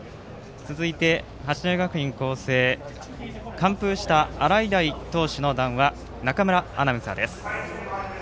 続いて、八戸学院光星完封した洗平投手の談話中村アナウンサーです。